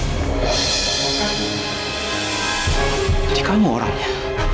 jadi kamu orangnya